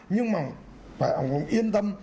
nhưng mà phải yên tâm